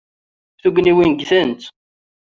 Tugniwin ggtent.